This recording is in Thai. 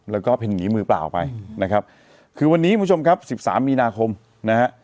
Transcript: แล้วก็เป็นอย่างนี้มือเปล่าไปนะครับคือวันนี้คุณผู้ชมครับสิบสามมีนาคมนะฮะ